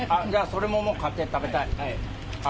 それももう買って食べたい。